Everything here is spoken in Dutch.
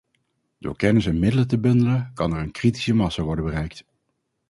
Door kennis en middelen te bundelen, kan er een kritische massa worden bereikt.